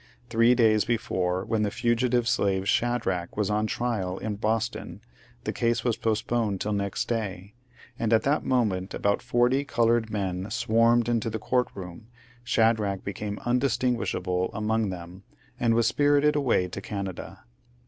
Three days before, when the fugitive slave Shadrach was on trial in Boston, the case was postponed till next day, and at that moment about forty coloured men swarmed into the court room, Shadrach became undistinguish able among them, and was spirited away to Canada.